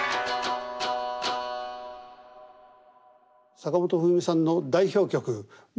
坂本冬美さんの代表曲